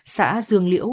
xã dương liễu